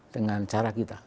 dengan cara kita